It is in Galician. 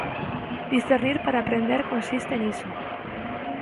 Discernir para aprender consiste niso.